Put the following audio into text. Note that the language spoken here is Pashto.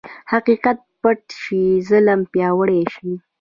حقیقت پټ شي، ظلم پیاوړی شي.